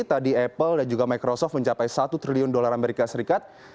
tadi apple dan juga microsoft mencapai satu triliun dolar amerika serikat